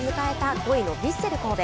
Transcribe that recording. ５位のヴィッセル神戸。